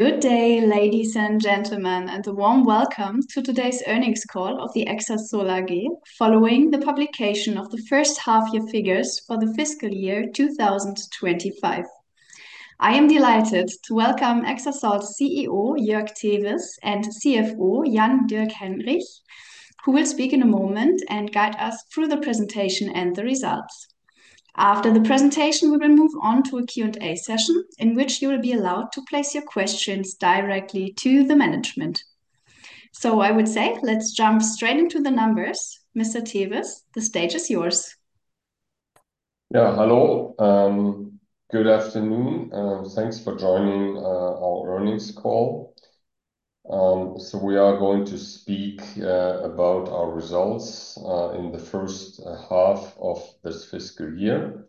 Good day, ladies and gentlemen, and a warm welcome to today's earnings call of Exasol AG following the publication of the first half-year figures for the fiscal year 2025. I am delighted to welcome Exasol's CEO, Joerg Tewes, and CFO, Jan-Dirk Henrich, who will speak in a moment and guide us through the presentation and the results. After the presentation, we will move on to a Q&A session in which you will be allowed to place your questions directly to the management. I would say, let's jump straight into the numbers. Mr. Tewes, the stage is yours. Yeah, hello. Good afternoon. Thanks for joining our earnings call. We are going to speak about our results in the first half of this fiscal year.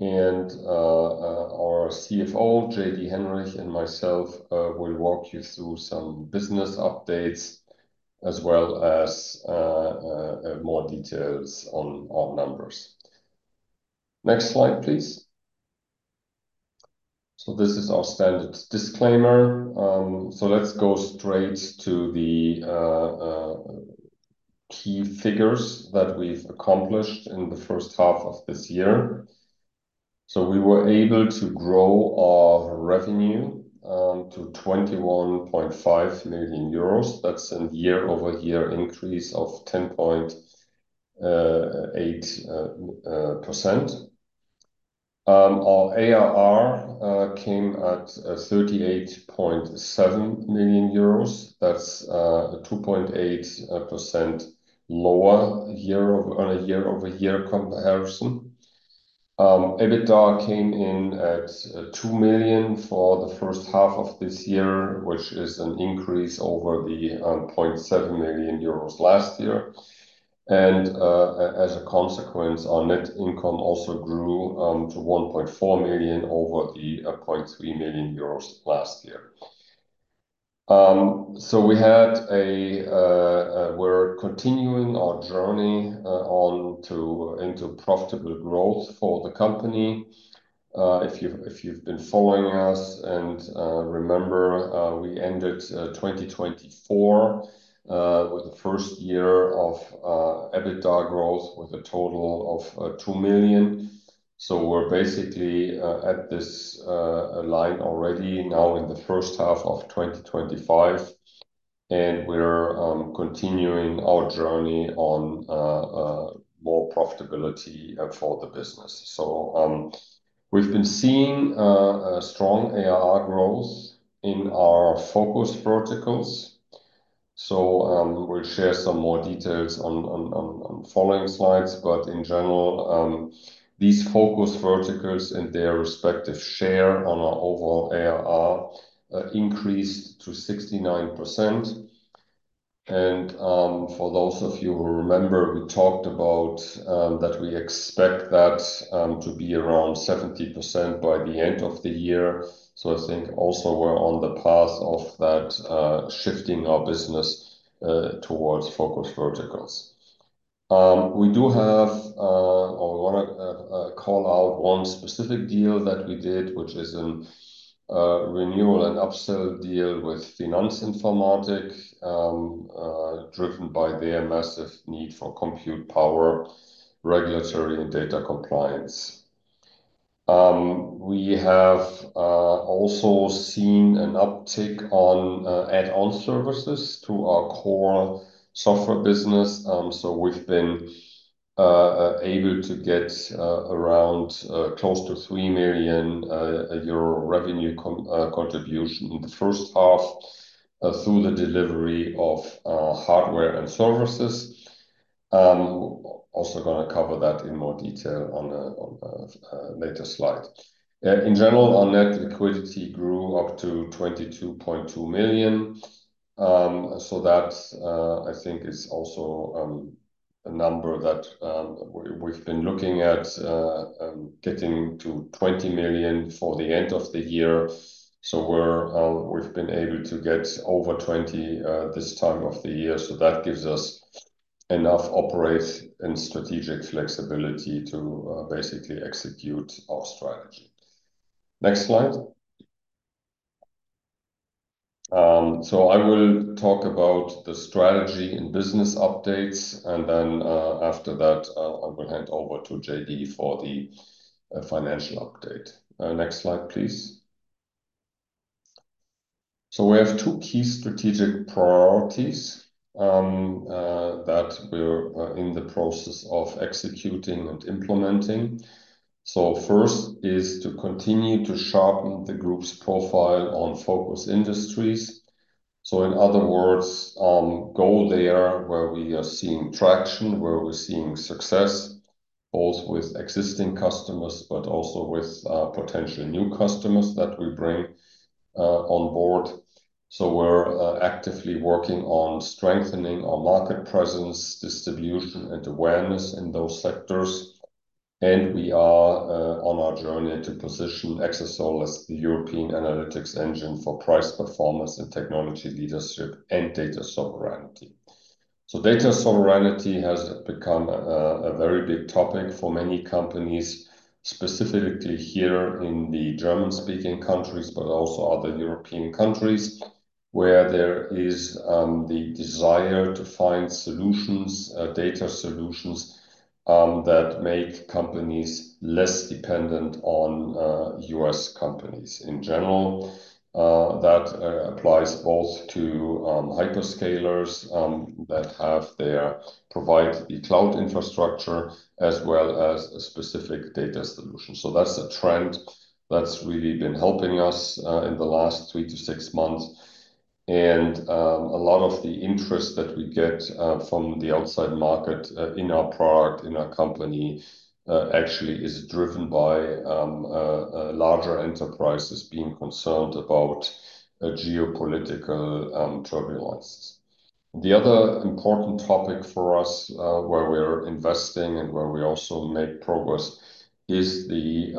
Our CFO, JD Henrich, and myself will walk you through some business updates as well as more details on our numbers. Next slide, please. This is our standard disclaimer. Let's go straight to the key figures that we've accomplished in the first half of this year. We were able to grow our revenue to 21.5 million euros. That's a year-over-year increase of 10.8%. Our ARR came at 38.7 million euros. That's a 2.8% lower year-over-year comparison. EBITDA came in at 2 million for the first half of this year, which is an increase over the 700,000 euros last year. As a consequence, our net income also grew to 1.4 million over the 300,000 euros last year. We're continuing our journey into profitable growth for the company. If you've been following us, and remember, we ended 2024 with the first year of EBITDA growth with a total of 2 million. We're basically at this line already now in the first half of 2025. We're continuing our journey on more profitability for the business. We've been seeing strong ARR growth in our focus verticals. We'll share some more details on the following slides. In general, these focus verticals and their respective share on our overall ARR increased to 69%. For those of you who remember, we talked about that we expect that to be around 70% by the end of the year. I think also we're on the path of that shifting our business towards focus verticals. We do have, or we want to call out one specific deal that we did, which is a renewal and upsell deal with Finanz Informatik, driven by their massive need for compute power, regulatory, and data compliance. We have also seen an uptick on add-on services to our core software business. We've been able to get around close to 3 million euro revenue contribution in the first half through the delivery of hardware and services. I'm also going to cover that in more detail on a later slide. In general, our net liquidity grew up to 22.2 million. I think is also a number that we've been looking at getting to 20 million for the end of the year. We've been able to get over 20 million this time of the year. That gives us enough operational and strategic flexibility to basically execute our strategy. Next slide. I will talk about the strategy and business updates. After that, I will hand over to JD for the financial update. Next slide, please. We have two key strategic priorities that we're in the process of executing and implementing. First is to continue to sharpen the group's profile on focus industries. In other words, go there where we are seeing traction, where we're seeing success, both with existing customers but also with potential new customers that we bring on board. We're actively working on strengthening our market presence, distribution, and awareness in those sectors. We are on our journey to position Exasol as a European analytics engine for price performance and technology leadership and data sovereignty. Data sovereignty has become a very big topic for many companies, specifically here in the German-speaking countries, but also other European countries where there is the desire to find solutions, data solutions that make companies less dependent on U.S. companies. In general, that applies both to hyperscalers that provide a cloud infrastructure as well as a specific data solution. That's a trend that's really been helping us in the last three to six months. A lot of the interest that we get from the outside market in our product, in our company, actually is driven by larger enterprises being concerned about geopolitical turbulence. The other important topic for us where we're investing and where we also make progress is positioning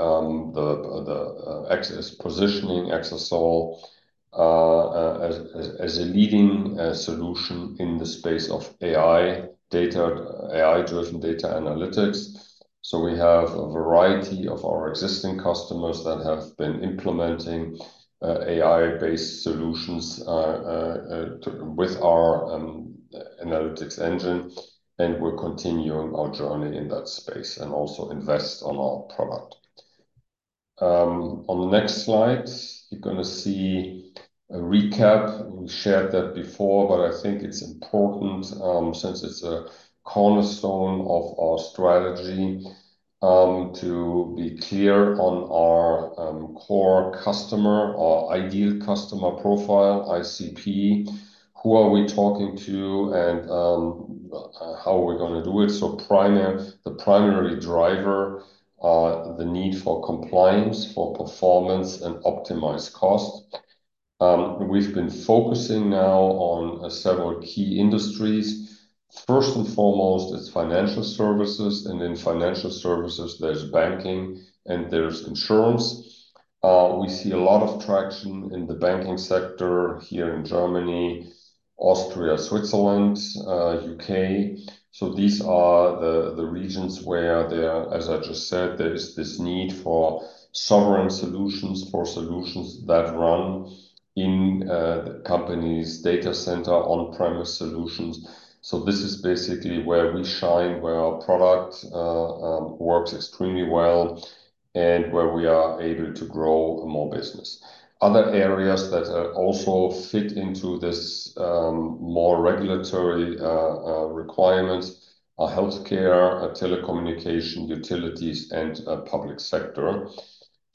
Exasol as a leading solution in the space of AI-driven data analytics. We have a variety of our existing customers that have been implementing AI-based solutions with our analytics engine. We're continuing our journey in that space and also investing in our product. On the next slide, you're going to see a recap. We shared that before, but I think it's important since it's a cornerstone of our strategy to be clear on our core customer, our ideal customer profile, ICP, who are we talking to and how we're going to do it. The primary drivers are the need for compliance, for performance, and optimized cost. We've been focusing now on several key industries. First and foremost, it's financial services. In financial services, there's banking and there's insurance. We see a lot of traction in the banking sector here in Germany, Austria, Switzerland, U.K. These are the regions where there, as I just said, there is this need for sovereign solutions, for solutions that run in the company's data center, on-premise solutions. This is basically where we shine, where our product works extremely well, and where we are able to grow more business. Other areas that also fit into this more regulatory requirement are healthcare, telecommunication, utilities, and public sector.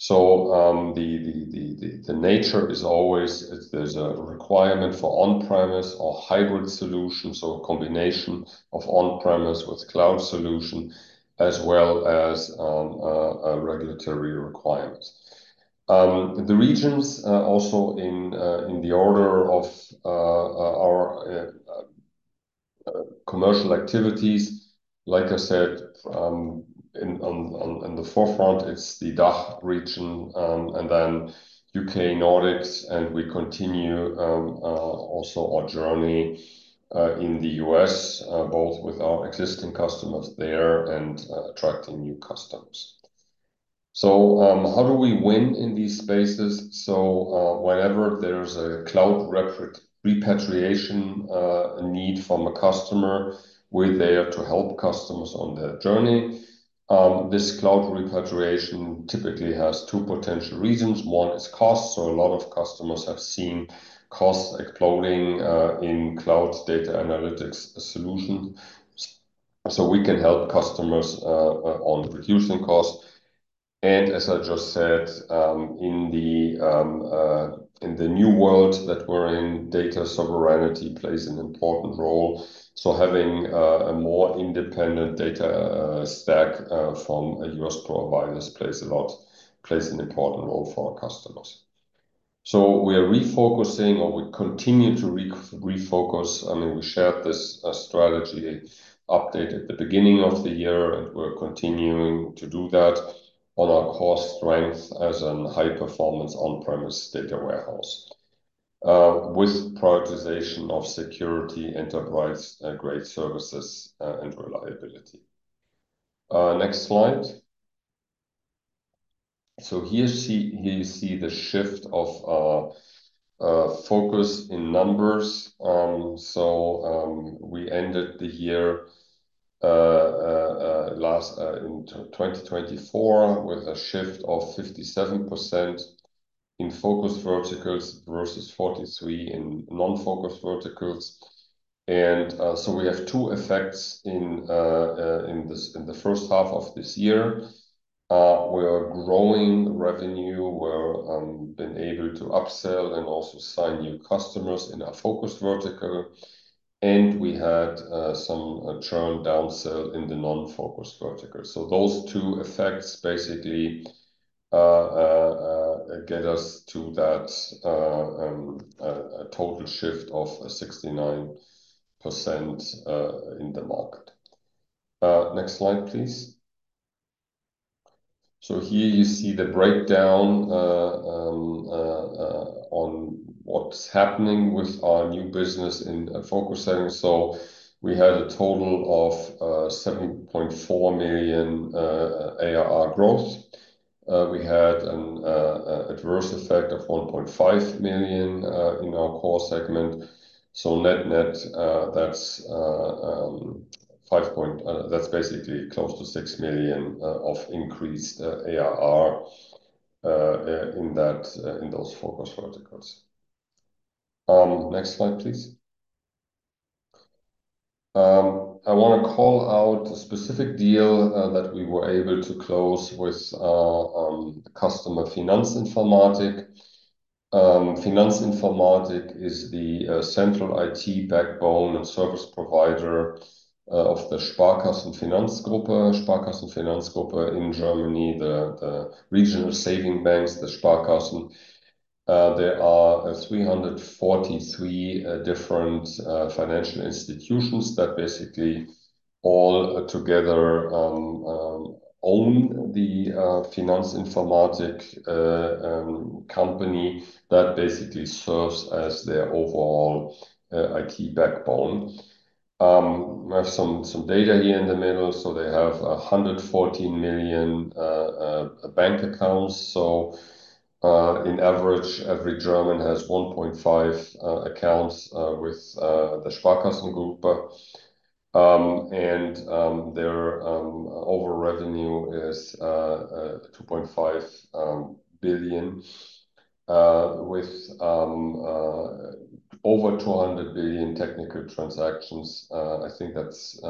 The nature is always there's a requirement for on-premise or hybrid solutions, a combination of on-premise with cloud solution as well as regulatory requirements. The regions also in the order of our commercial activities, like I said, in the forefront, it's the DACH region and then U.K, Nordics, and we continue also our journey in the U.S., both with our existing customers there and attracting new customers. How do we win in these spaces? Whenever there's a cloud repatriation need from a customer, we're there to help customers on their journey. This cloud repatriation typically has two potential reasons. One is cost. A lot of customers have seen costs exploding in cloud data analytics solutions. We can help customers on reducing costs. As I just said, in the new world that we're in, data sovereignty plays an important role. Having a more independent data stack from U.S. providers plays an important role for our customers. We are refocusing or we continue to refocus. I mean, we shared this strategy update at the beginning of the year, and we're continuing to do that on our core strength as a high-performance on-premise data warehouse with prioritization of security, enterprise-grade services, and reliability. Next slide. Here you see the shift of our focus in numbers. We ended the year last in 2024 with a shift of 57% in focus verticals versus 43% in non-focus verticals. We have two effects in the first half of this year. We're growing revenue. We've been able to upsell and also sign new customers in our focus vertical. We had some churn downsell in the non-focus vertical. Those two effects basically get us to that total shift of 69% in the market. Next slide, please. Here you see the breakdown on what's happening with our new business in a focus segment. We had a total of 7.4 million ARR growth. We had an adverse effect of 1.5 million in our core segment. Net-net, that's basically close to 6 million of increased ARR in those focus verticals. Next slide, please. I want to call out a specific deal that we were able to close with customer Finanz Informatik. Finanz Informatik is the central IT backbone and service provider of the Sparkassen-Finanzgruppe, Sparkassen-Finanzgruppe in Germany, the regional saving banks, the Sparkassen. There are 343 different financial institutions that basically all together own the Finanz Informatik company that basically serves as their overall IT backbone. We have some data here in the middle. They have 114 million bank accounts. In average, every German has 1.5 accounts with the Sparkassen Gruppe. Their overall revenue is 2.5 billion with over 200 billion technical transactions. I think that's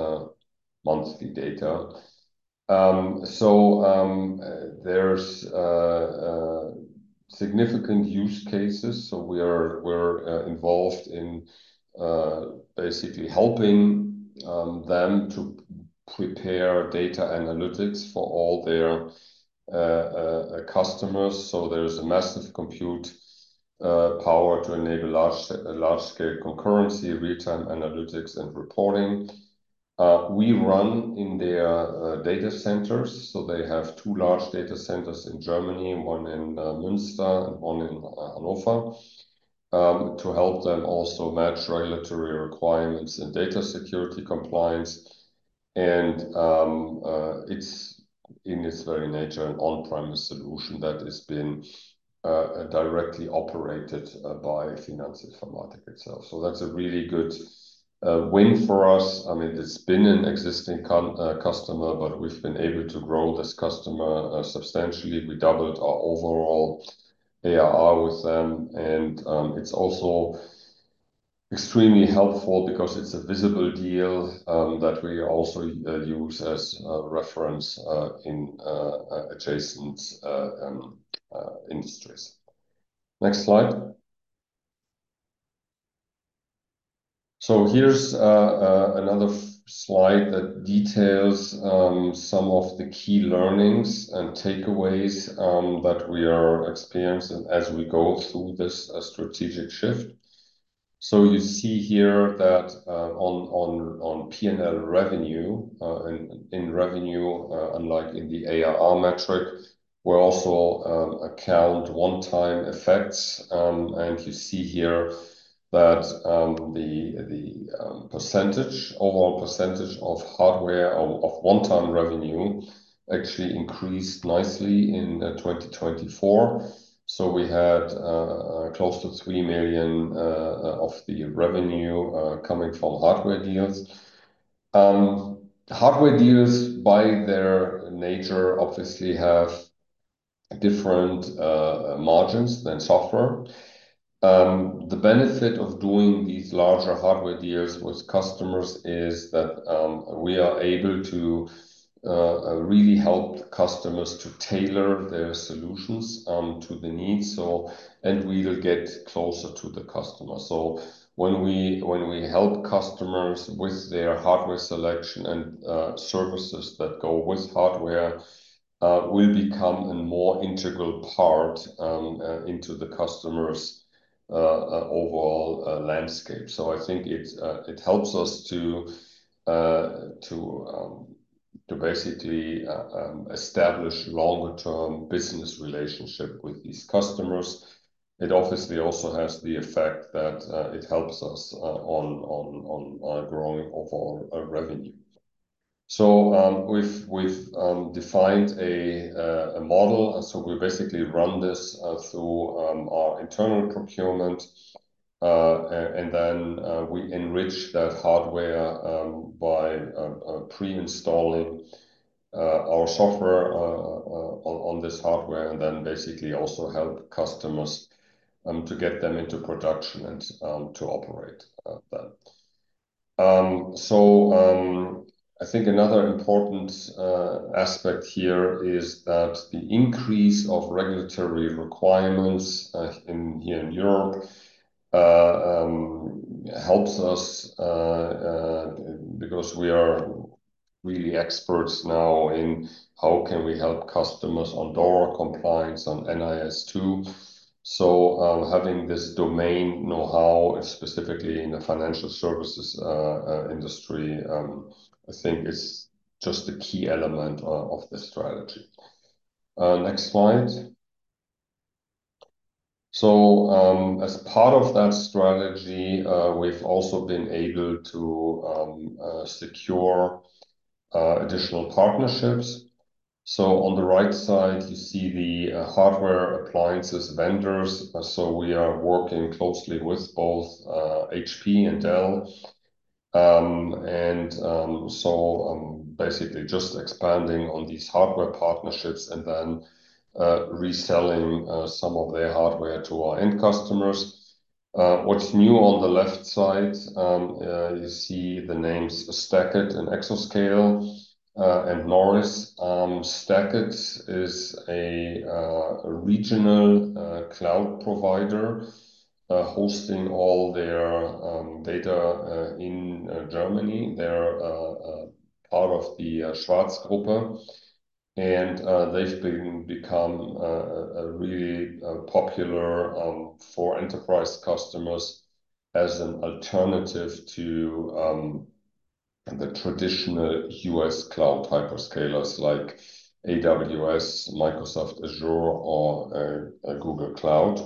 monthly data. There are significant use cases. We're involved in basically helping them to prepare data analytics for all their customers. There's a massive compute power to enable large-scale concurrency, real-time analytics, and reporting. We run in their data centers. They have two large data centers in Germany, one in Münster and one in Hannover, to help them also match regulatory requirements and data security compliance. It's in its very nature an on-premise solution that has been directly operated by Finanz Informatik itself. That's a really good win for us. It's been an existing customer, but we've been able to grow this customer substantially. We doubled our overall ARR with them. It's also extremely helpful because it's a visible deal that we also use as a reference in adjacent industries. Next slide. Here's another slide that details some of the key learnings and takeaways that we are experiencing as we go through this strategic shift. You see here that on P&L revenue, in revenue, unlike in the ARR metric, we're also accounting one-time effects. You see here that the overall percentage of hardware of one-time revenue actually increased nicely in 2024. We had close to 3 million of the revenue coming from hardware deals. Hardware deals, by their nature, obviously have different margins than software. The benefit of doing these larger hardware deals with customers is that we are able to really help customers to tailor their solutions to the needs, and we'll get closer to the customer. When we help customers with their hardware selection and services that go with hardware, we'll become a more integral part into the customer's overall landscape. I think it helps us to basically establish a longer-term business relationship with these customers. It obviously also has the effect that it helps us on our growing overall revenue. We've defined a model. We basically run this through our internal procurement, and then we enrich that hardware by pre-installing our software on this hardware and then basically also help customers to get them into production and to operate them. I think another important aspect here is that the increase of regulatory requirements here in Europe helps us because we are really experts now in how we can help customers on DORA compliance, on NIS2. Having this domain know-how, specifically in the financial services industry, I think is just a key element of this strategy. Next slide. As part of that strategy, we've also been able to secure additional partnerships. On the right side, you see the hardware appliances vendors. We are working closely with both HP and Dell, basically just expanding on these hardware partnerships and then reselling some of their hardware to our end customers. What's new on the left side, you see the names StackIt, Exoscale, and Noise. StackIt is a regional cloud provider hosting all their data in Germany. They're part of the Schwarz Gruppe, and they've become really popular for enterprise customers as an alternative to the traditional U.S. cloud hyperscalers like AWS, Microsoft Azure, or Google Cloud.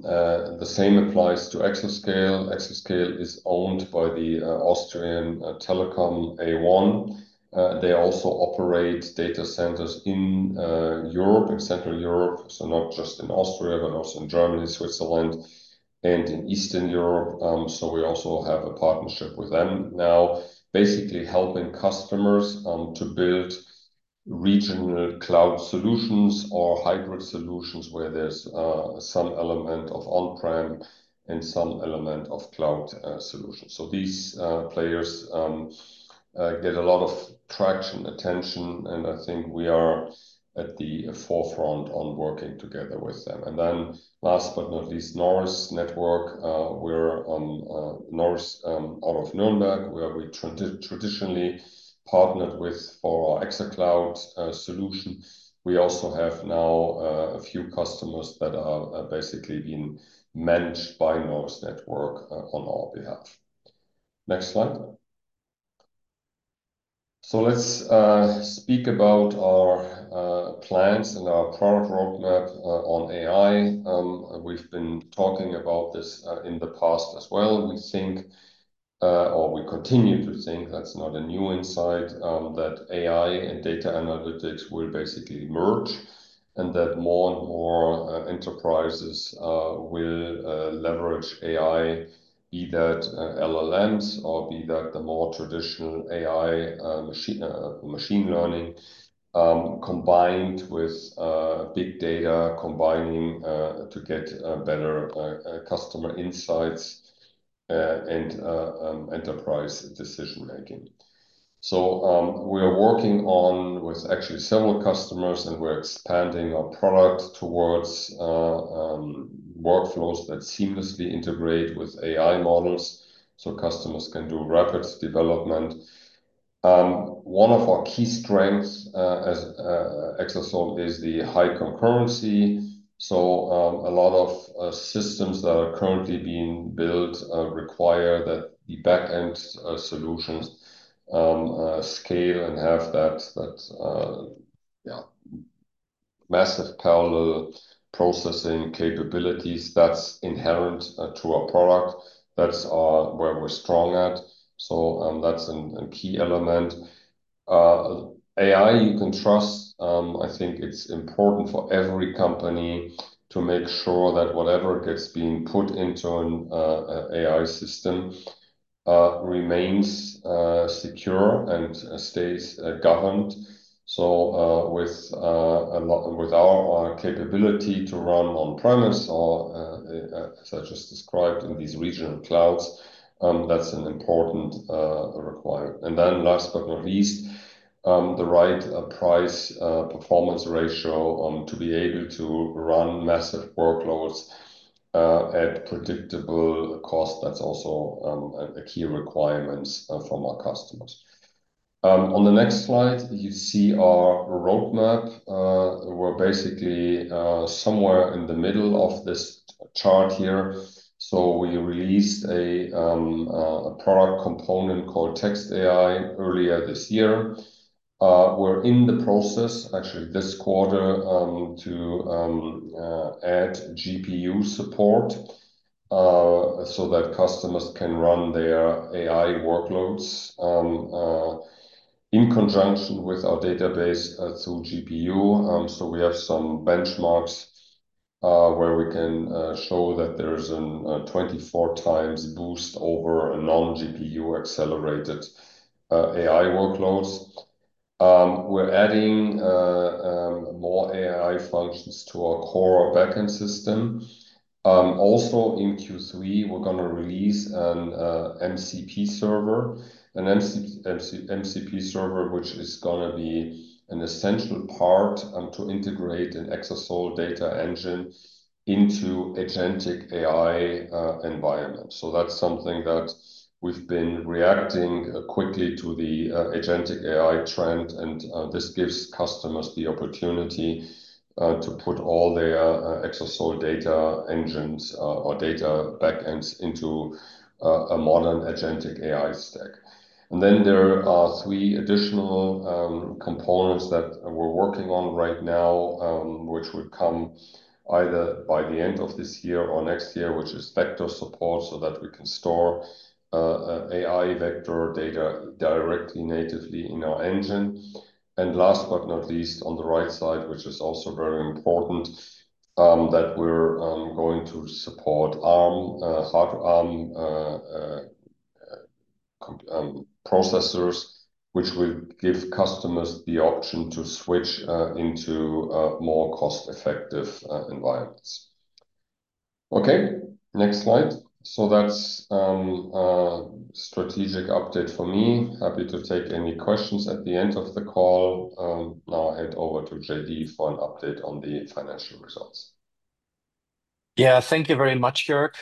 The same applies to Exoscale. Exoscale is owned by the Austrian Telekom A1. They also operate data centers in Europe, in Central Europe, not just in Austria, but also in Germany, Switzerland, and in Eastern Europe. We also have a partnership with them now, basically helping customers to build regional cloud solutions or hybrid solutions where there's some element of on-premise and some element of cloud solutions. These players get a lot of traction, attention, and I think we are at the forefront on working together with them. Last but not least, noris network. We're on noris out of Nürnberg, where we traditionally partnered with for our ExaCloud solution. We also have now a few customers that are basically being manned by noris network on our behalf. Next slide. Let's speak about our plans and our product roadmap on AI. We've been talking about this in the past as well. We think, or we continue to think, that's not a new insight, that AI and data analytics will basically merge and that more and more enterprises will leverage AI, be that LLMs or be that the more traditional AI machine learning combined with big data combining to get better customer insights and enterprise decision-making. We are working on with actually several customers, and we're expanding our product towards workflows that seamlessly integrate with AI models so customers can do rapid development. One of our key strengths as Exasol is the high concurrency. A lot of systems that are currently being built require that the backend solutions scale and have that massive parallel processing capabilities that's inherent to our product. That's where we're strong at. That's a key element. AI you can trust. I think it's important for every company to make sure that whatever gets being put into an AI system remains secure and stays governed. With our capability to run on-premise or, as I just described, in these regional clouds, that's an important requirement. Last but not least, the right price-performance ratio to be able to run massive workloads at predictable cost. That's also a key requirement from our customers. On the next slide, you see our roadmap. We're basically somewhere in the middle of this chart here. We released a product component called Text AI earlier this year. We're in the process, actually, this quarter to add GPU support so that customers can run their AI workloads in conjunction with our database through GPU. We have some benchmarks where we can show that there is a 24 times boost over non-GPU accelerated AI workloads. We're adding more AI functions to our core backend system. Also, in Q3, we're going to release an MCP server, an MCP server, which is going to be an essential part to integrate an Exasol data engine into Agentic AI environments. That's something that we've been reacting quickly to the Agentic AI trend. This gives customers the opportunity to put all their Exasol data engines or data backends into a modern Agentic AI stack. There are three additional components that we're working on right now, which would come either by the end of this year or next year, which is vector support so that we can store AI vector data directly natively in our engine. Last but not least, on the right side, which is also very important, we're going to support ARM, hard ARM processors, which will give customers the option to switch into more cost-effective environments. Next slide. That's a strategic update for me. Happy to take any questions at the end of the call. Now I'll hand over to JD for an update on the financial results. Yeah, thank you very much, Joerg.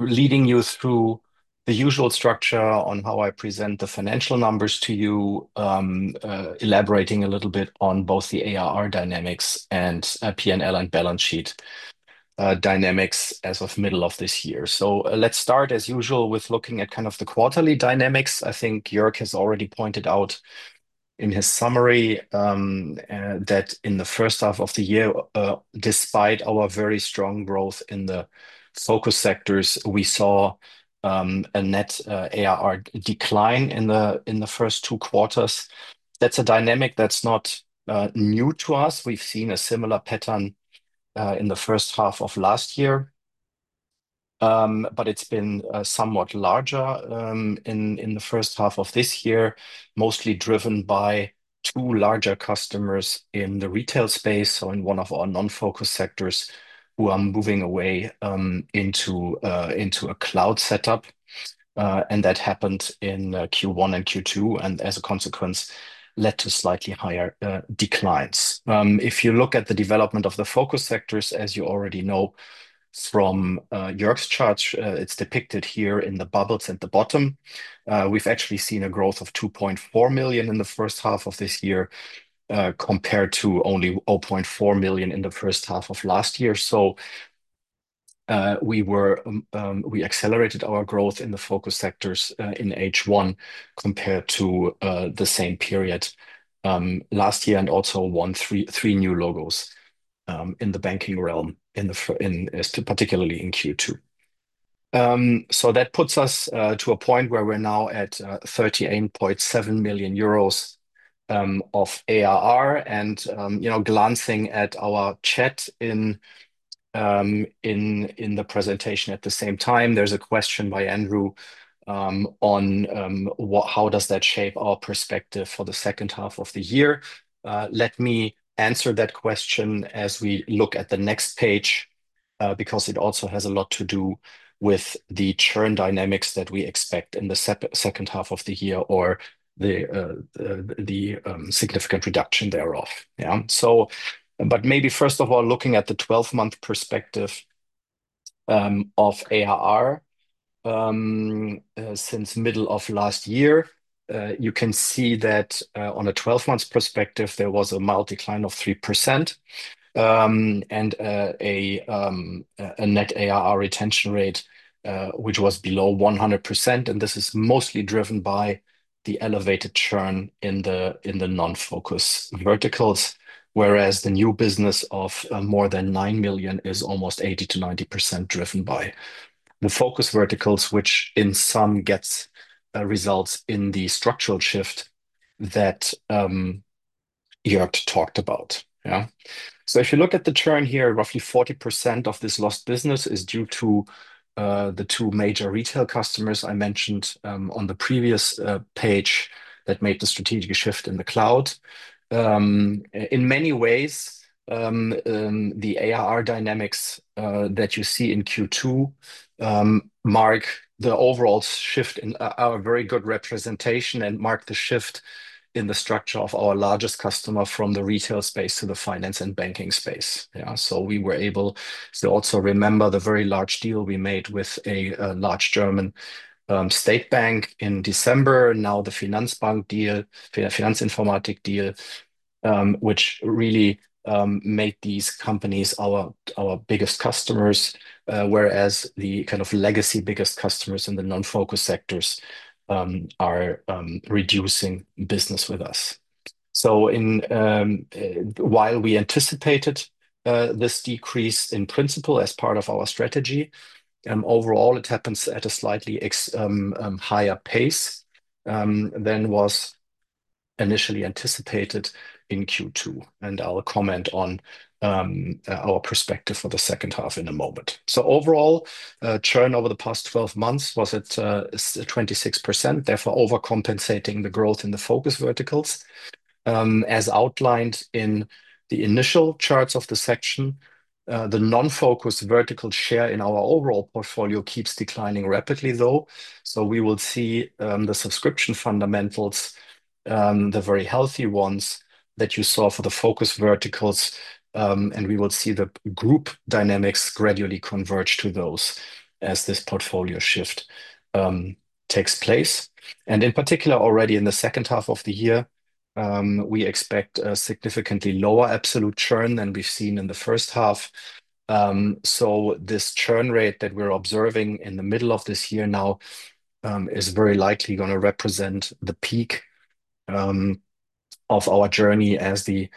Leading you through the usual structure on how I present the financial numbers to you, elaborating a little bit on both the ARR dynamics and P&L and balance sheet dynamics as of the middle of this year. Let's start, as usual, with looking at kind of the quarterly dynamics. I think Joerg has already pointed out in his summary that in the first half of the year, despite our very strong growth in the focus sectors, we saw a net ARR decline in the first two quarters. That's a dynamic that's not new to us. We've seen a similar pattern in the first half of last year, but it's been somewhat larger in the first half of this year, mostly driven by two larger customers in the retail space, so in one of our non-focus sectors who are moving away into a cloud setup. That happened in Q1 and Q2, and as a consequence, led to slightly higher declines. If you look at the development of the focus sectors, as you already know from Joerg's chart, it's depicted here in the bubbles at the bottom. We've actually seen a growth of 2.4 million in the first half of this year compared to only 400,000 in the first half of last year. We accelerated our growth in the focus sectors in H1 compared to the same period last year and also won three new logos in the banking realm, particularly in Q2. That puts us to a point where we're now at 38.7 million euros of ARR. Glancing at our chat in the presentation at the same time, there's a question by Andrew on how does that shape our perspective for the second half of the year. Let me answer that question as we look at the next page because it also has a lot to do with the churn dynamics that we expect in the second half of the year or the significant reduction thereof. Maybe first of all, looking at the 12-month perspective of ARR since the middle of last year, you can see that on a 12-month perspective, there was a mild decline of 3% and a net ARR retention rate which was below 100%. This is mostly driven by the elevated churn in the non-focus verticals, whereas the new business of more than 9 million is almost 80%-90% driven by the focus verticals, which in sum gets results in the structural shift that Joerg talked about. If you look at the churn here, roughly 40% of this lost business is due to the two major retail customers I mentioned on the previous page that made the strategic shift in the cloud. In many ways, the ARR dynamics that you see in Q2 mark the overall shift in our very good representation and mark the shift in the structure of our largest customer from the retail space to the finance and banking space. We were able to also remember the very large deal we made with a large German state bank in December. Now the Finanz Informatik deal, which really made these companies our biggest customers, whereas the kind of legacy biggest customers in the non-focus sectors are reducing business with us. While we anticipated this decrease in principle as part of our strategy, overall, it happens at a slightly higher pace than was initially anticipated in Q2. I'll comment on our perspective for the second half in a moment. Overall, churn over the past 12 months was at 26%, therefore overcompensating the growth in the focus verticals. As outlined in the initial charts of the section, the non-focus vertical share in our overall portfolio keeps declining rapidly, though. We will see the subscription fundamentals, the very healthy ones that you saw for the focus verticals, and we will see the group dynamics gradually converge to those as this portfolio shift takes place. In particular, already in the second half of the year, we expect a significantly lower absolute churn than we've seen in the first half. This churn rate that we're observing in the middle of this year now is very likely going to represent the peak of our journey as the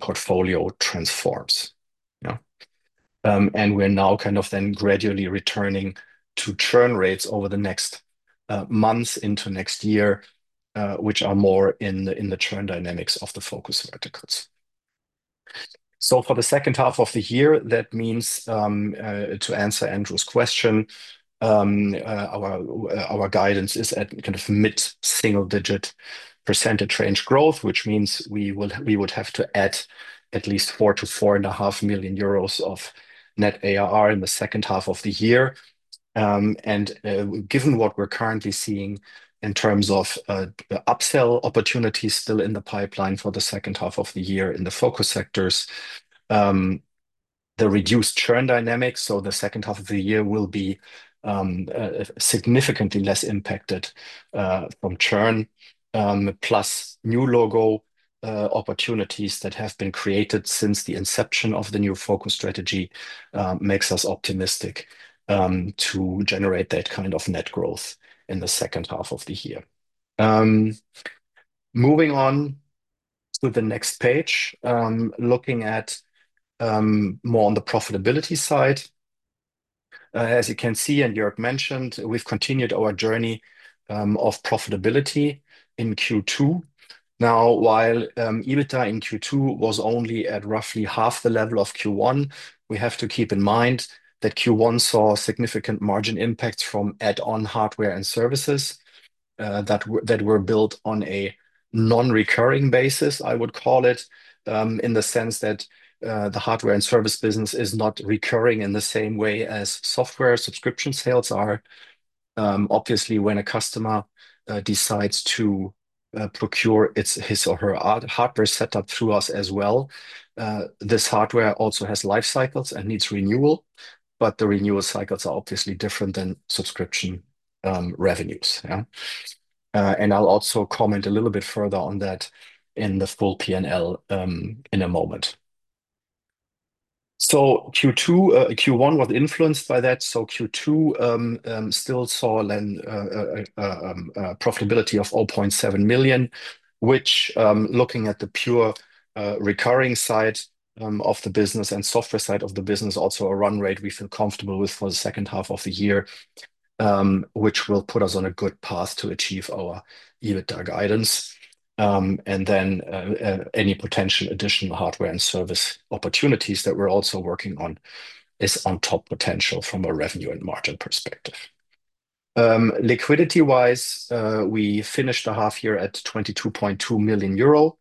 portfolio transforms. We're now kind of then gradually returning to churn rates over the next months into next year, which are more in the churn dynamics of the focus verticals. For the second half of the year, that means to answer Andrew's question, our guidance is at kind of mid-single-digit percentage range growth, which means we would have to add at least 4 million-4.5 million euros of net ARR in the second half of the year. Given what we're currently seeing in terms of upsell opportunities still in the pipeline for the second half of the year in the focus sectors, the reduced churn dynamics, the second half of the year will be significantly less impacted from churn. Plus, new logo opportunities that have been created since the inception of the new focus strategy make us optimistic to generate that kind of net growth in the second half of the year. Moving on to the next page, looking at more on the profitability side. As you can see, and Joerg mentioned, we've continued our journey of profitability in Q2. Now, while EBITDA in Q2 was only at roughly half the level of Q1, we have to keep in mind that Q1 saw significant margin impacts from add-on hardware and services that were built on a non-recurring basis, I would call it, in the sense that the hardware and service business is not recurring in the same way as software subscription sales are. Obviously, when a customer decides to procure his or her hardware setup through us as well, this hardware also has life cycles and needs renewal. The renewal cycles are obviously different than subscription revenues. I'll also comment a little bit further on that in the full P&L in a moment. Q1 was influenced by that. Q2 still saw a profitability of 700,000, which, looking at the pure recurring side of the business and software side of the business, also a run rate we feel comfortable with for the second half of the year, which will put us on a good path to achieve our EBITDA guidance. Any potential additional hardware and service opportunities that we're also working on is on top potential from a revenue and margin perspective. Liquidity-wise, we finished a half year at 22.2 million euro.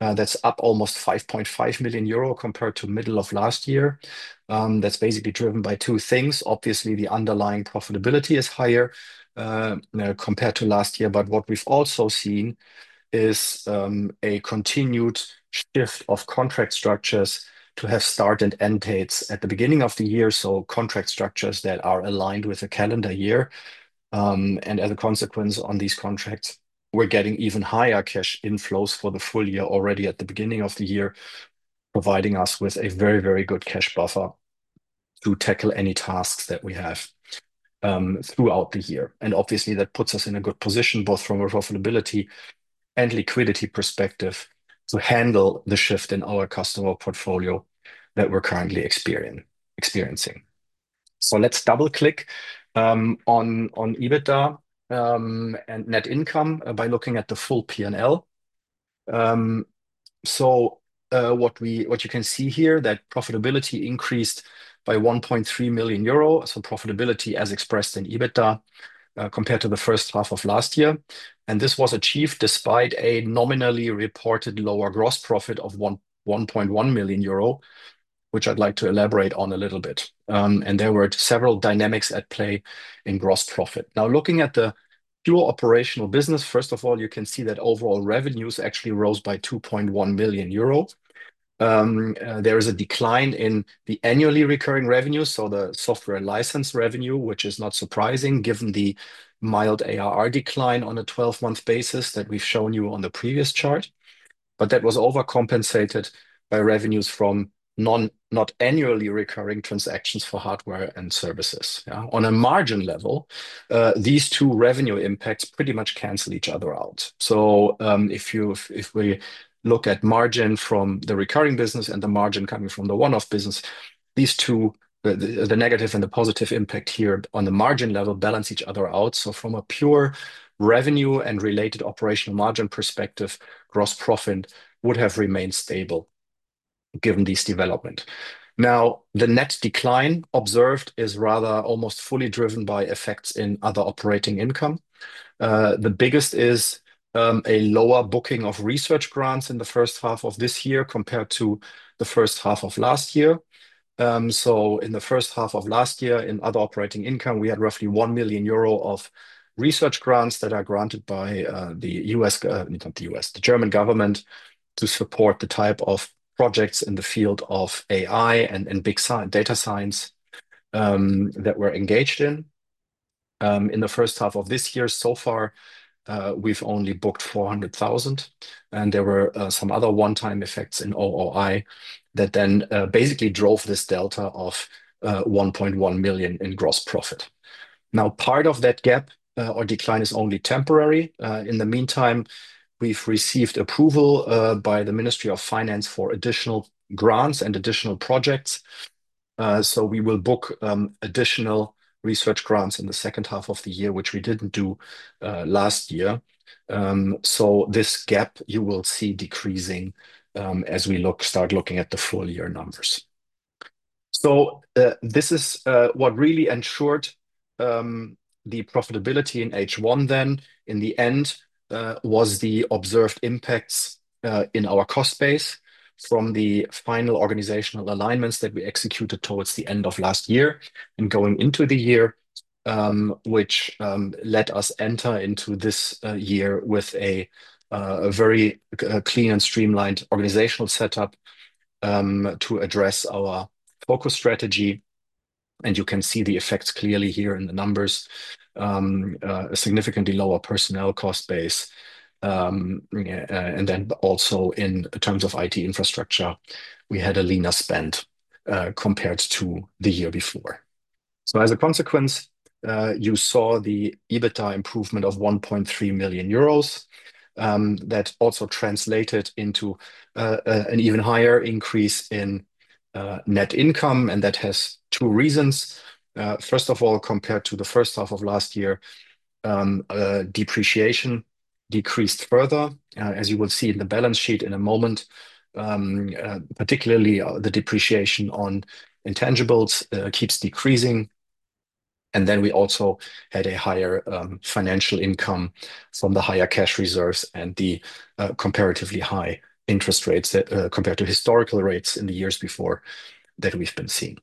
That's up almost 5.5 million euro compared to the middle of last year. That's basically driven by two things. Obviously, the underlying profitability is higher compared to last year. What we've also seen is a continued shift of contract structures to have start and end dates at the beginning of the year. Contract structures that are aligned with a calendar year. As a consequence, on these contracts, we're getting even higher cash inflows for the full year already at the beginning of the year, providing us with a very, very good cash buffer to tackle any tasks that we have throughout the year. Obviously, that puts us in a good position, both from a profitability and liquidity perspective, to handle the shift in our customer portfolio that we're currently experiencing. Let's double-click on EBITDA and net income by looking at the full P&L. What you can see here, that profitability increased by 1.3 million euro as for profitability as expressed in EBITDA compared to the first half of last year. This was achieved despite a nominally reported lower gross profit of 1.1 million euro, which I'd like to elaborate on a little bit. There were several dynamics at play in gross profit. Now, looking at the pure operational business, first of all, you can see that overall revenues actually rose by 2.1 million euro. There is a decline in the annually recurring revenues, so the software license revenue, which is not surprising given the mild ARR decline on a 12-month basis that we've shown you on the previous chart. That was overcompensated by revenues from non-annually recurring transactions for hardware and services. On a margin level, these two revenue impacts pretty much cancel each other out. If we look at margin from the recurring business and the margin coming from the one-off business, these two, the negative and the positive impact here on the margin level, balance each other out. From a pure revenue and related operational margin perspective, gross profit would have remained stable given this development. The net decline observed is rather almost fully driven by effects in other operating income. The biggest is a lower booking of research grants in the first half of this year compared to the first half of last year. In the first half of last year, in other operating income, we had roughly 1 million euro of research grants that are granted by the German government to support the type of projects in the field of AI and big data science that we're engaged in. In the first half of this year, so far, we've only booked 400,000. There were some other one-time effects in OOI that then basically drove this delta of 1.1 million in gross profit. Part of that gap or decline is only temporary. In the meantime, we've received approval by the Ministry of Finance for additional grants and additional projects. We will book additional research grants in the second half of the year, which we didn't do last year. This gap you will see decreasing as we start looking at the full-year numbers. This is what really ensured the profitability in H1 then, in the end, was the observed impacts in our cost base from the final organizational alignments that we executed towards the end of last year and going into the year, which led us enter into this year with a very clear and streamlined organizational setup to address our focus strategy. You can see the effects clearly here in the numbers, a significantly lower personnel cost base. Also in terms of IT infrastructure, we had a leaner spend compared to the year before. As a consequence, you saw the EBITDA improvement of 1.3 million euros that also translated into an even higher increase in net income. That has two reasons. First of all, compared to the first half of last year, depreciation decreased further. As you will see in the balance sheet in a moment, particularly the depreciation on intangibles keeps decreasing. We also had a higher financial income from the higher cash reserves and the comparatively high interest rates compared to historical rates in the years before that we've been seeing.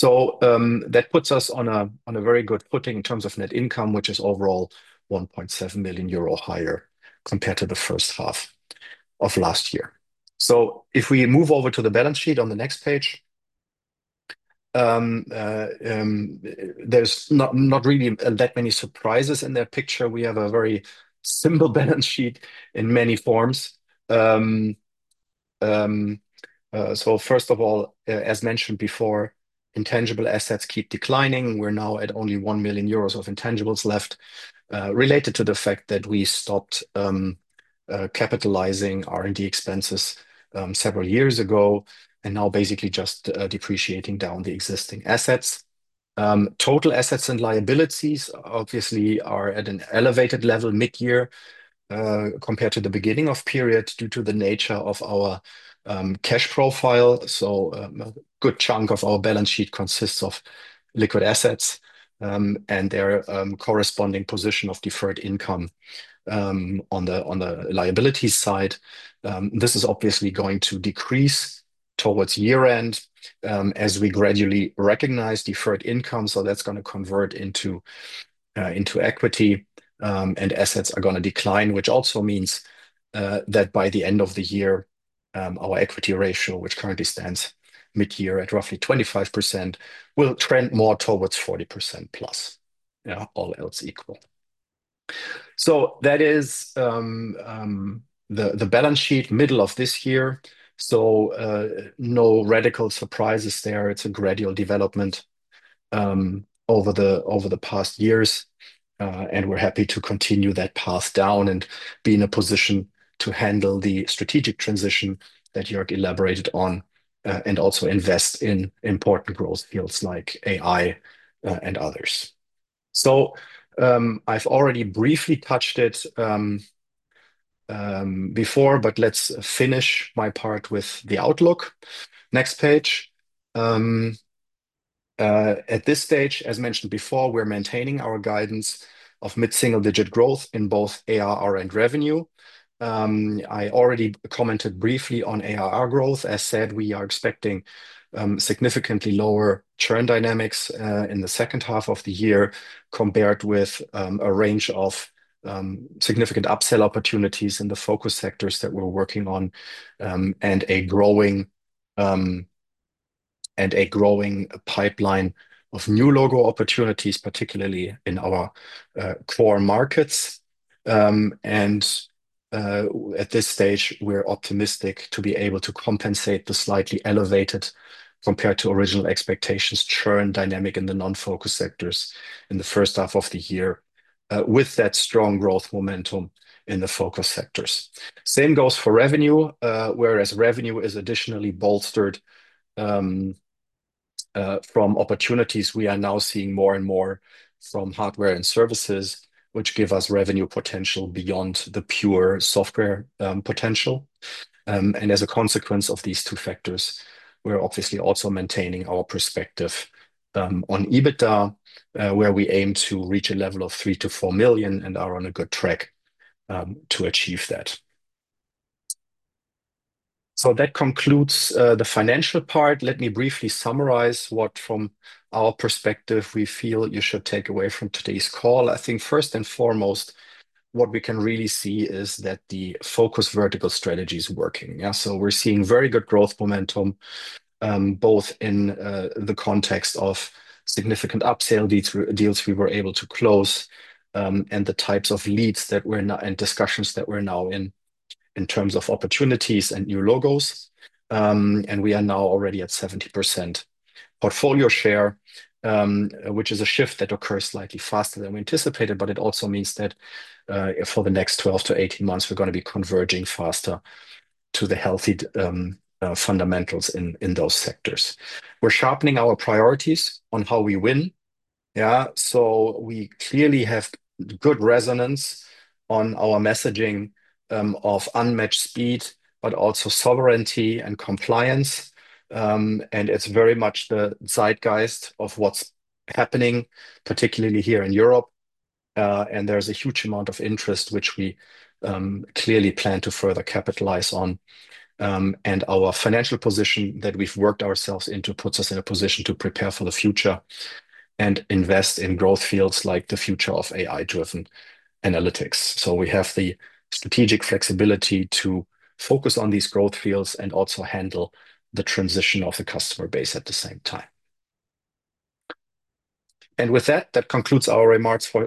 That puts us on a very good footing in terms of net income, which is overall 1.7 million euro higher compared to the first half of last year. If we move over to the balance sheet on the next page, there's not really that many surprises in that picture. We have a very simple balance sheet in many forms. First of all, as mentioned before, intangible assets keep declining. We're now at only 1 million euros of intangibles left related to the fact that we stopped capitalizing R&D expenses several years ago and now basically just depreciating down the existing assets. Total assets and liabilities obviously are at an elevated level mid-year compared to the beginning of the period due to the nature of our cash profile. A good chunk of our balance sheet consists of liquid assets and their corresponding position of deferred income on the liabilities side. This is obviously going to decrease towards year-end as we gradually recognize deferred income. That's going to convert into equity, and assets are going to decline, which also means that by the end of the year, our equity ratio, which currently stands mid-year at roughly 25%, will trend more towards 40% plus, all else equal. That is the balance sheet middle of this year. No radical surprises there. It's a gradual development over the past years. We're happy to continue that path down and be in a position to handle the strategic transition that Joerg elaborated on and also invest in important growth fields like AI and others. I've already briefly touched it before, but let's finish my part with the outlook. Next page. At this stage, as mentioned before, we're maintaining our guidance of mid-single-digit growth in both ARR and revenue. I already commented briefly on ARR growth. As said, we are expecting significantly lower churn dynamics in the second half of the year compared with a range of significant upsell opportunities in the focus sectors that we're working on and a growing pipeline of new logo opportunities, particularly in our core markets. At this stage, we're optimistic to be able to compensate the slightly elevated, compared to original expectations, churn dynamic in the non-focus sectors in the first half of the year with that strong growth momentum in the focus sectors. The same goes for revenue, whereas revenue is additionally bolstered from opportunities we are now seeing more and more from hardware and services, which give us revenue potential beyond the pure software potential. As a consequence of these two factors, we're obviously also maintaining our perspective on EBITDA, where we aim to reach a level of 3 million-4 million and are on a good track to achieve that. That concludes the financial part. Let me briefly summarize what from our perspective we feel you should take away from today's call. I think first and foremost, what we can really see is that the focus vertical strategy is working. We're seeing very good growth momentum both in the context of significant upsell deals we were able to close and the types of leads that we're now in and discussions that we're now in in terms of opportunities and new logos. We are now already at 70% portfolio share, which is a shift that occurs slightly faster than we anticipated, but it also means that for the next 12 to 18 months, we're going to be converging faster to the healthy fundamentals in those sectors. We're sharpening our priorities on how we win. We clearly have good resonance on our messaging of unmatched speed, but also sovereignty and compliance. It's very much the zeitgeist of what's happening, particularly here in Europe. There's a huge amount of interest, which we clearly plan to further capitalize on. Our financial position that we've worked ourselves into puts us in a position to prepare for the future and invest in growth fields like the future of AI-driven analytics. We have the strategic flexibility to focus on these growth fields and also handle the transition of the customer base at the same time. With that, that concludes our remarks for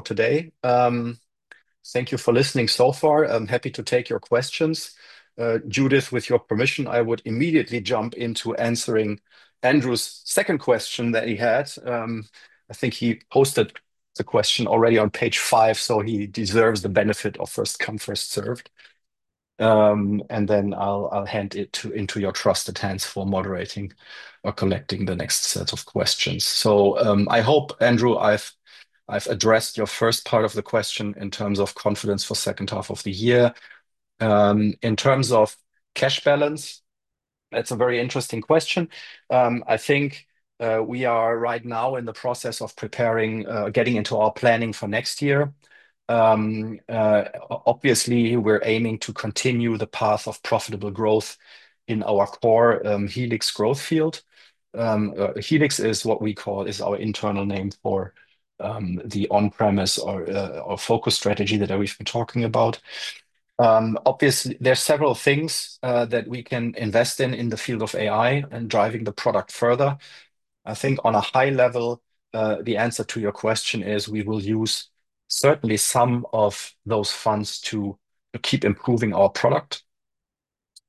today. Thank you for listening so far. I'm happy to take your questions. Judith, with your permission, I would immediately jump into answering Andrew's second question that he had. I think he posted the question already on page five, so he deserves the benefit of first come, first served. I'll hand it to your trusted hands for moderating or collecting the next set of questions. I hope, Andrew, I've addressed your first part of the question in terms of confidence for the second half of the year. In terms of cash balance, that's a very interesting question. I think we are right now in the process of preparing, getting into our planning for next year. Obviously, we're aiming to continue the path of profitable growth in our core Helix growth field. Helix is what we call our internal name for the on-premise or focus strategy that we've been talking about. There are several things that we can invest in in the field of AI and driving the product further. I think on a high level, the answer to your question is we will use certainly some of those funds to keep improving our product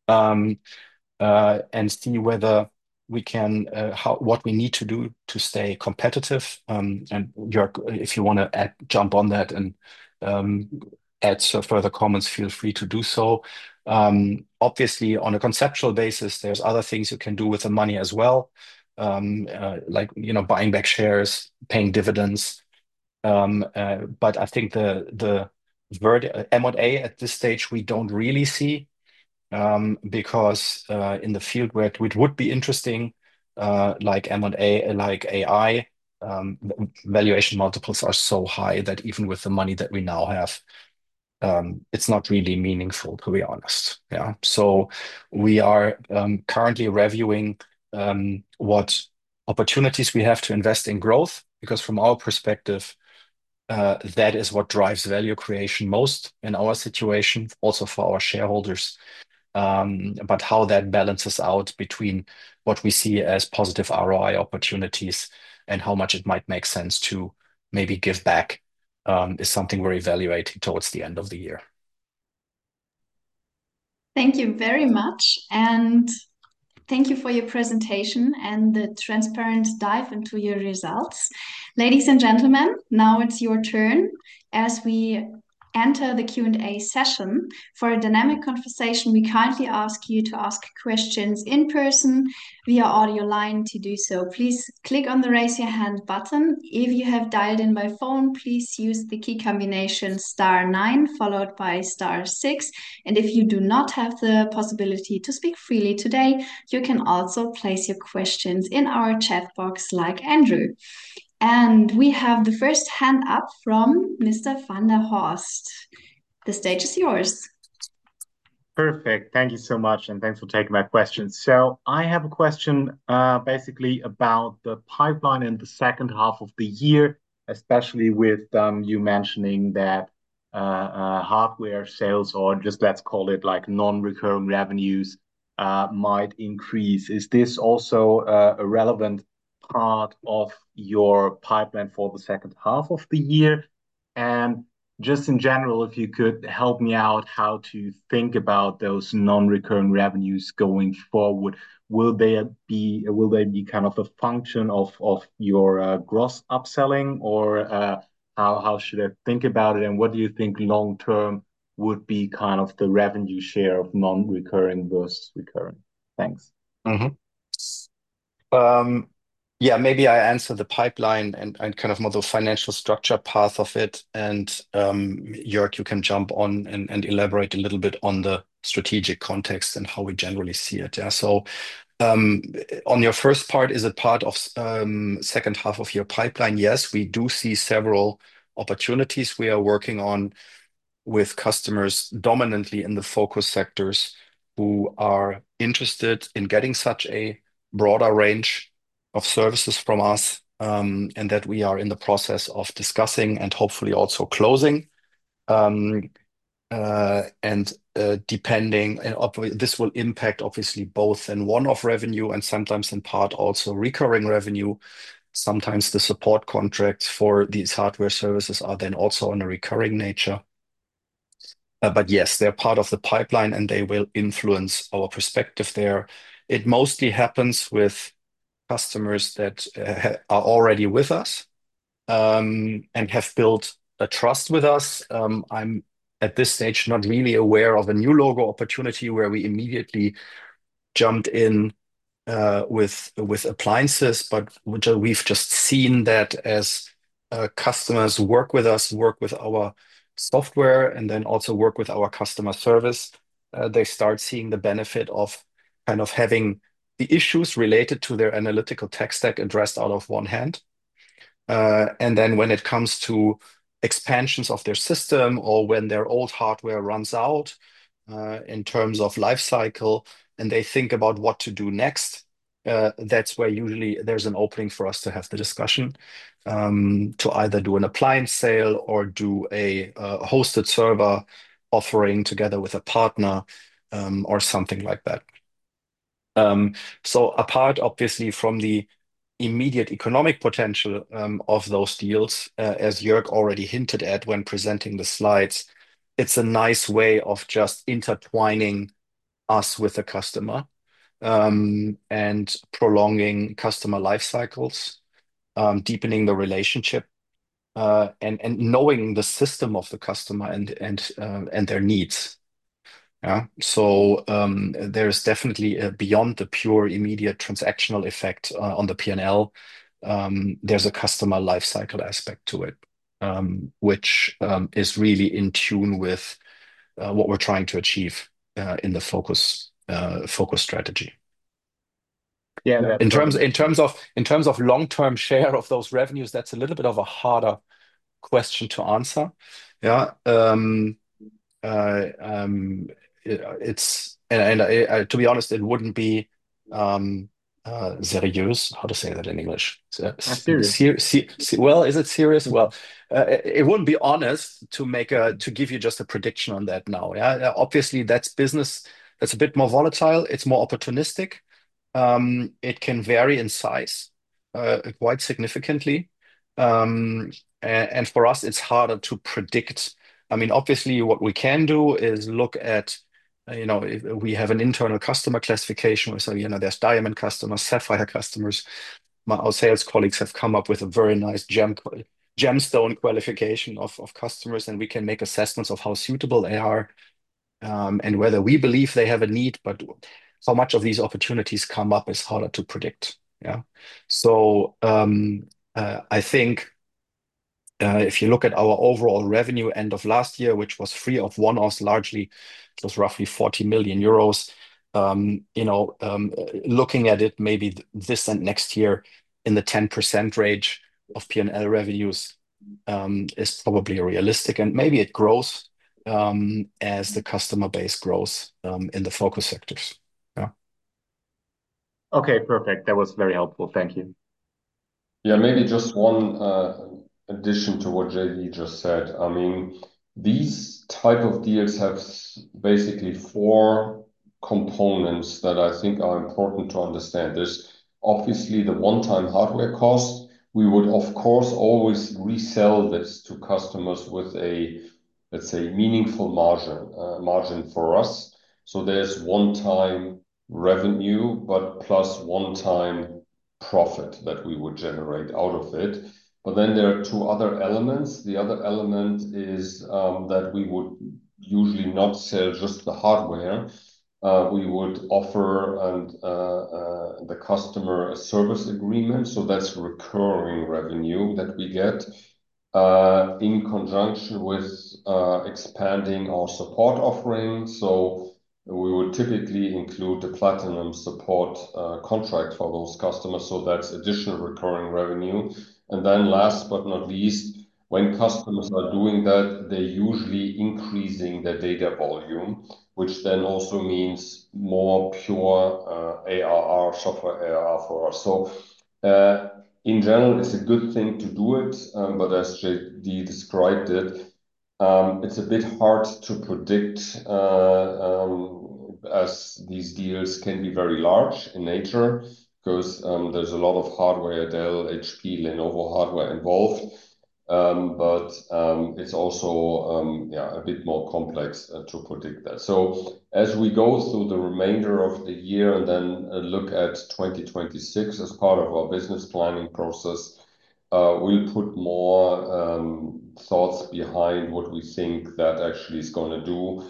and see whether we can, what we need to do to stay competitive. If you want to jump on that and add further comments, feel free to do so. On a conceptual basis, there are other things you can do with the money as well, like buying back shares, paying dividends. I think the M&A at this stage, we don't really see because in the field where it would be interesting, like M&A, like AI, valuation multiples are so high that even with the money that we now have, it's not really meaningful, to be honest. We are currently reviewing what opportunities we have to invest in growth because from our perspective, that is what drives value creation most in our situation, also for our shareholders. How that balances out between what we see as positive ROI opportunities and how much it might make sense to maybe give back is something we're evaluating towards the end of the year. Thank you very much. Thank you for your presentation and the transparent dive into your results. Ladies and gentlemen, now it's your turn. As we enter the Q&A session, for a dynamic conversation, we kindly ask you to ask questions in person via audio line. To do so, please click on the raise your hand button. If you have dialed in by phone, please use the key combination *9 followed by *6. If you do not have the possibility to speak freely today, you can also place your questions in our chat box like Andrew. We have the first hand up from Mr. van der Horst. The stage is yours. Perfect. Thank you so much. Thanks for taking my question. I have a question basically about the pipeline in the second half of the year, especially with you mentioning that hardware sales or just let's call it like non-recurring revenues might increase. Is this also a relevant part of your pipeline for the second half of the year? In general, if you could help me out how to think about those non-recurring revenues going forward, will they be kind of the function of your gross upselling or how should I think about it? What do you think long-term would be kind of the revenue share of non-recurring versus recurring? Thanks. Maybe I answer the pipeline and kind of model the financial structure path of it. Joerg, you can jump on and elaborate a little bit on the strategic context and how we generally see it. On your first part, is it part of the second half of your pipeline? Yes, we do see several opportunities we are working on with customers dominantly in the focus sectors who are interested in getting such a broader range of services from us and that we are in the process of discussing and hopefully also closing. Depending, this will impact obviously both in one-off revenue and sometimes in part also recurring revenue. Sometimes the support contracts for these hardware services are then also in a recurring nature. Yes, they're part of the pipeline and they will influence our perspective there. It mostly happens with customers that are already with us and have built a trust with us. I'm at this stage not really aware of a new logo opportunity where we immediately jumped in with appliances, but we've just seen that as customers work with us, work with our software, and then also work with our customer service, they start seeing the benefit of having the issues related to their analytical tech stack addressed out of one hand. When it comes to expansions of their system or when their old hardware runs out in terms of life cycle and they think about what to do next, that's where usually there's an opening for us to have the discussion to either do an appliance sale or do a hosted server offering together with a partner or something like that. Apart obviously from the immediate economic potential of those deals, as Joerg already hinted at when presenting the slides, it's a nice way of intertwining us with a customer and prolonging customer life cycles, deepening the relationship, and knowing the system of the customer and their needs. There is definitely beyond the pure immediate transactional effect on the P&L, there's a customer life cycle aspect to it, which is really in tune with what we're trying to achieve in the focus strategy. Yeah. In terms of long-term share of those revenues, that's a little bit of a harder question to answer. To be honest, it wouldn't be serious. How to say that in English? Serious? Is it serious? It wouldn't be honest to give you just a prediction on that now. Obviously, that's business that's a bit more volatile. It's more opportunistic. It can vary in size quite significantly. For us, it's harder to predict. What we can do is look at, you know, we have an internal customer classification. There's diamond customers, sapphire customers. Our sales colleagues have come up with a very nice gemstone qualification of customers, and we can make assessments of how suitable they are and whether we believe they have a need. How much of these opportunities come up is harder to predict. I think if you look at our overall revenue end of last year, which was free of one-offs largely, it was roughly 40 million euros. Looking at it maybe this and next year in the 10% range of P&L revenues is probably realistic. Maybe it grows as the customer base grows in the focus sectors. Okay, perfect. That was very helpful. Thank you. Yeah, maybe just one addition to what JD just said. I mean, these types of deals have basically four components that I think are important to understand. There's obviously the one-time hardware cost. We would, of course, always resell this to customers with a, let's say, meaningful margin for us. There's one-time revenue, plus one-time profit that we would generate out of it. There are two other elements. The other element is that we would usually not sell just the hardware. We would offer the customer a service agreement. That's recurring revenue that we get in conjunction with expanding our support offerings. We would typically include the platinum support contract for those customers. That's additional recurring revenue. Last but not least, when customers are doing that, they're usually increasing their data volume, which then also means more pure ARR, software ARR for us. In general, it's a good thing to do it. As JD described it, it's a bit hard to predict as these deals can be very large in nature because there's a lot of hardware, Dell, HP, Lenovo hardware involved. It's also a bit more complex to predict that. As we go through the remainder of the year and then look at 2026 as part of our business planning process, we'll put more thoughts behind what we think that actually is going to do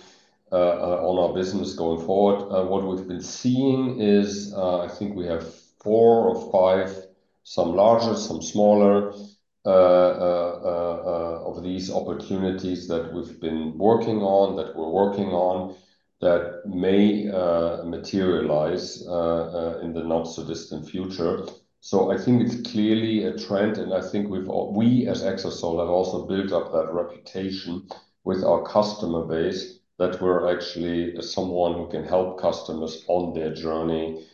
on our business going forward. What we've been seeing is I think we have four or five, some larger, some smaller, of these opportunities that we've been working on, that we're working on, that may materialize in the not-so-distant future. I think it's clearly a trend. I think we at Exasol have also built up that reputation with our customer base that we're actually someone who can help customers on their journey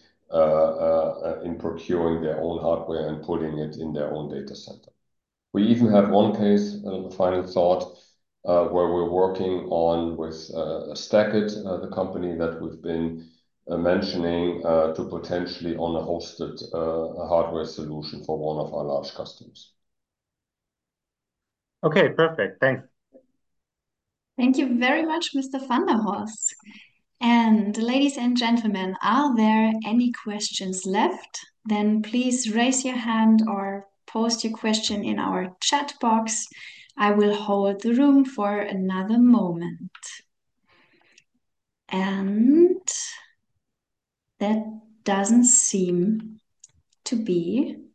in procuring their own hardware and putting it in their own data center. We even had one case, a final thought, where we're working on with StackIt, the company that we've been mentioning, to potentially own a hosted hardware solution for one of our large customers. Okay, perfect. Thanks. Thank you very much, Mr. van der Horst. Ladies and gentlemen, are there any questions left? Please raise your hand or post your question in our chat box. I will hold the room for another moment. That doesn't seem to be the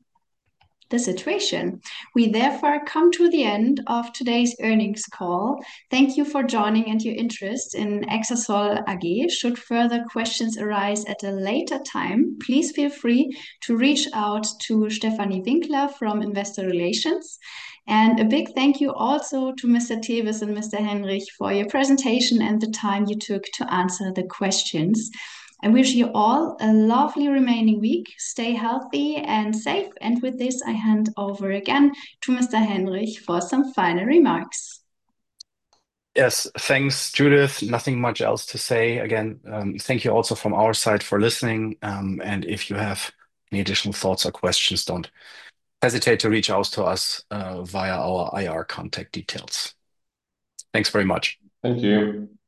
situation. We therefore come to the end of today's earnings call. Thank you for joining and your interest in Exasol AG. Should further questions arise at a later time, please feel free to reach out to Stefanie Winkler from Investor Relations. A big thank you also to Mr. Tewes and Mr. Henrich for your presentation and the time you took to answer the questions. I wish you all a lovely remaining week. Stay healthy and safe. With this, I hand over again to Mr. Henrich for some final remarks. Yes, thanks, Judith. Nothing much else to say. Thank you also from our side for listening. If you have any additional thoughts or questions, don't hesitate to reach out to us via our IR contact details. Thanks very much. Thank you. Bye.